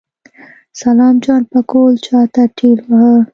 سلام جان پکول شاته ټېلوهه.